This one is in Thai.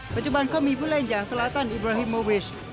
ปัจจุบันเขามีผู้เล่นอย่างสลาตันอิบราฮิโมวิช